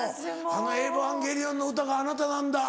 あの『エヴァンゲリオン』の歌があなたなんだ。